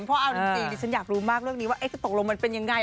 เพราะเอาจริงดิฉันอยากรู้มากเรื่องนี้ว่าจะตกลงมันเป็นยังไง